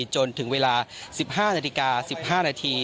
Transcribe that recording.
จนถึงเวลา๑๕นาฬิกา๑๕นาที